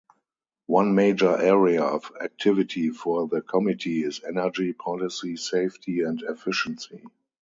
One major area of activity for the committee is energy policy, safety, and efficiency.